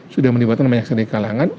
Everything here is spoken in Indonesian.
sudah melibatkan banyak yang sedih kalangan